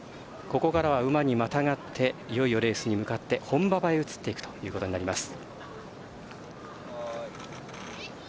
ここからは馬にまたがっていよいよレースに向かって本馬場へ移っていくということです。